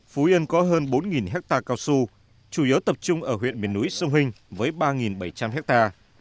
phú yên có hơn bốn hectare cao su chủ yếu tập trung ở huyện miền núi sông hình với ba bảy trăm linh hectare